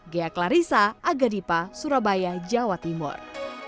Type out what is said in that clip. gaya klarisa agadipa surabaya jawa timur